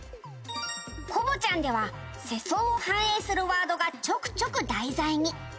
「『コボちゃん』では世相を反映するワードがちょくちょく題材に」